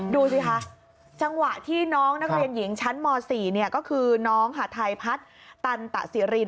ดูสิคะจังหวะที่น้องนักเรียนหญิงชั้นม๔ก็คือน้องหาทัยพัฒน์ตันตสิริน